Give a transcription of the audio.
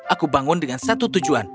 aku bangun dengan satu tujuan